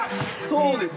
そうです。